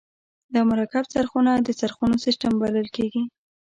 دا مرکب څرخونه د څرخونو سیستم بلل کیږي.